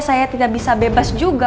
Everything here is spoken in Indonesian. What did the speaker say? saya tidak bisa bebas juga